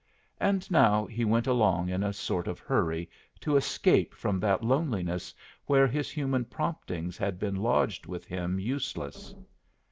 And now he went along in a sort of hurry to escape from that loneliness where his human promptings had been lodged with him useless.